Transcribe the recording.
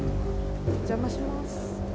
お邪魔します。